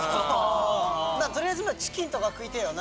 取りあえずチキンとか食いてぇよな。